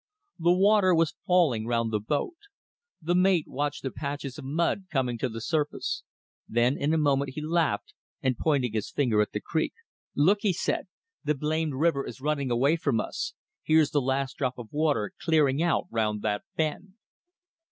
The water was falling round the boat. The mate watched the patches of mud coming to the surface. Then in a moment he laughed, and pointing his finger at the creek "Look!" he said; "the blamed river is running away from us. Here's the last drop of water clearing out round that bend."